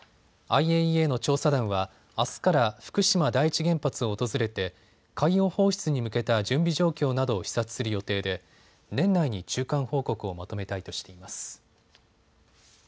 ＩＡＥＡの調査団はあすから福島第一原発を訪れて海洋放出に向けた準備状況などを視察する予定で年内に中間報告をまとめたいとしています。